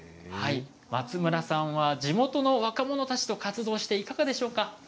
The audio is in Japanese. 松村さんは地元の若者たちと活動してどうでしょうか。